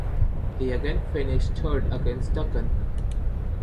He again finished third against Duncan.